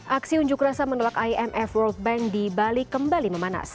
aksi unjuk rasa menolak imf world bank di bali kembali memanas